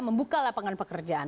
membuka lapangan pekerjaan